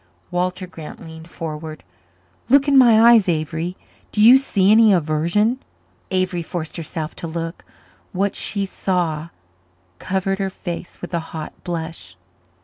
Walter Grant leaned forward. "Look in my eyes, Avery. Do you see any aversion?" Avery forced herself to look. What she saw covered her face with a hot blush.